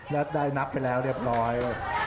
แล้วได้นับไปเรียบร้อย